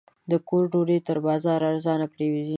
د کور ډوډۍ تر بازاره ارزانه پرېوځي.